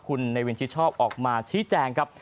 คุณเนวินชิดชอบออกมาชี้แจงครับ